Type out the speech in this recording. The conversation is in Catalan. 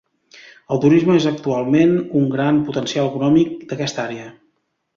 El turisme és actualment un gran potencial econòmic d'aquesta àrea.